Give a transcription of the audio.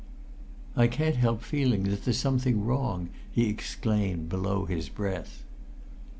"I can't help feeling that there's something wrong!" he exclaimed below his breath.